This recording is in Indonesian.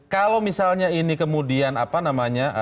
kalau misalnya ini kemudian apa namanya